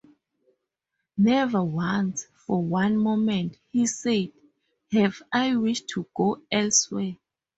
"Never once, for one moment," he said, "have I wished to go elsewhere.